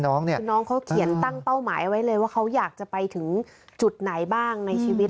คือน้องเขาเขียนตั้งเป้าหมายเอาไว้เลยว่าเขาอยากจะไปถึงจุดไหนบ้างในชีวิต